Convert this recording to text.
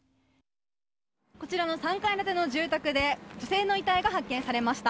こちらの３階建ての住宅で女性の遺体が発見されました。